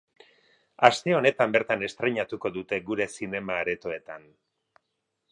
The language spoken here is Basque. Aste honetan bertan estreinatuko dute gure zinema-aretoetan.